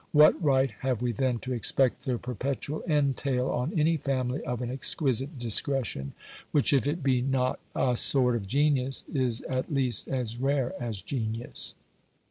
What right have we then to expect the perpetual entail on any family of an exquisite discretion, which if it be not a sort of genius, is at least as rare as genius?